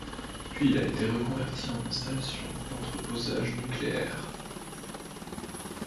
Puis il a été reconverti en installation d'entreposage nucléaire.